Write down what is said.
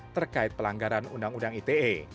terkait pelanggaran undang undang ite